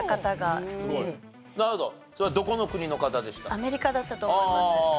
アメリカだったと思います。